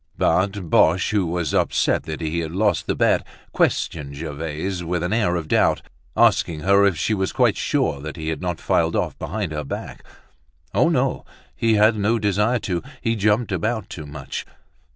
But Boche, who was upset that he had lost the bet, questioned Gervaise with an air of doubt, asking her if she was quite sure he had not filed off behind her back. Oh! no, he had no desire to, he jumped about too much.